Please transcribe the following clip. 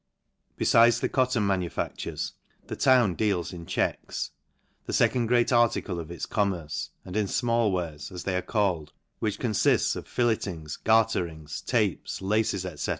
Befides the cotton manu factures, the town deals in checks, the fecond great article of its commerce, and in fmall wares (as they are called) which confifts of fillettings, garterings, tapes, laces, fcfV.